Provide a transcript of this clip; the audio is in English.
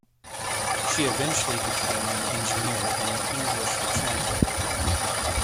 She eventually became an engineer and an English translator.